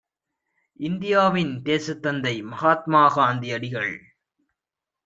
இந்தியாவின் தேசத்தந்தை மகாத்மா காந்தியடிகள்